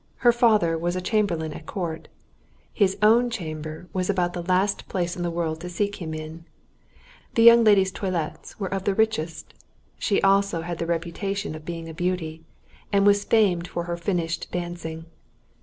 Her father was a Chamberlain at Court; his own chamber was about the last place in the world to seek him in. The young lady's toilets were of the richest; she also had the reputation of being a beauty, and was famed for her finished dancing.